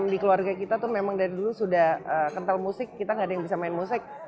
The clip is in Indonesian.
di keluarga kita tuh memang dari dulu sudah kental musik kita gak ada yang bisa main musik